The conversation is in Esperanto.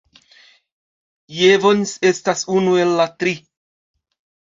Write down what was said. Jevons estas unu el la tri.